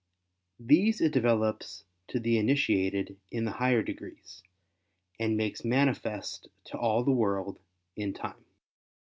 These it develops to the initiated in the higher degrees, and makes manifest to all the world in time.